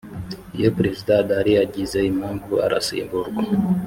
iyo perezida adahari yagize impamvu arasimburwa